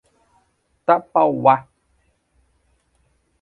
Tapauá